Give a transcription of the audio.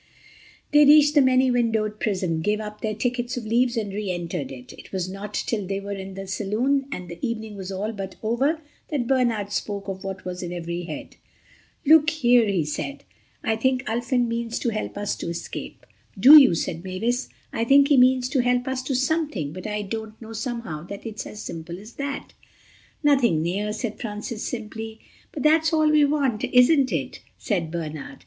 They reached the many windowed prison, gave up their tickets of leaves and reentered it. It was not till they were in the saloon and the evening was all but over that Bernard spoke of what was in every head. "Look here," he said, "I think Ulfin means to help us to escape." "Do you," said Mavis. "I think he means to help us to something, but I don't somehow think it's as simple as that." "Nothing near," said Francis simply. "But that's all we want, isn't it?" said Bernard.